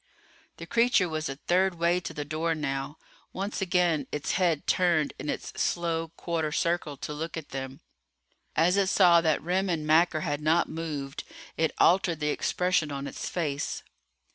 The creature was a third way to the door now. Once again its head turned in its slow quarter circle, to look at them. As it saw that Remm and Macker had not moved it altered the expression on its face.